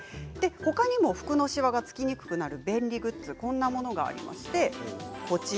他にも服のしわがつきにくくなる便利グッズがあります。